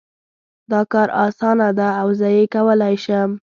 دا کار اسانه ده او زه یې کولای شم